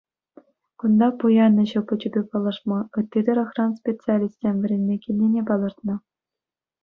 Кунта пуян ӗҫ опычӗпе паллашма ытти тӑрӑхран специалистсем вӗренме килнине палӑртнӑ.